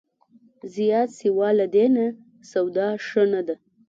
زیات سیوا له دې نه، سودا ښه نه ده